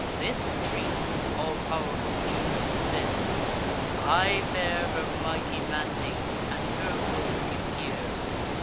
This dream all pow'rful Juno sends; I bear Her mighty mandates, and her words you hear.